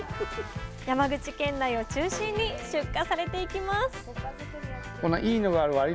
山口県内を中心に出荷されていきます